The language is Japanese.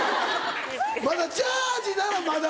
まだジャージーならまだ。